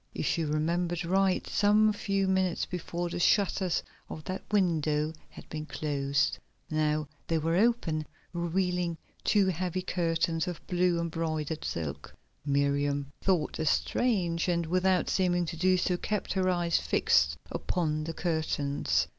If she remembered right some few minutes before the shutters of that window had been closed, now they were open, revealing two heavy curtains of blue embroidered silk. Miriam thought this strange, and, without seeming to do so, kept her eyes fixed upon the curtains.